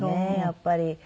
やっぱり。